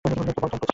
Phone কেন করেছিস?